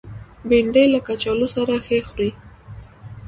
بېنډۍ له کچالو سره ښه خوري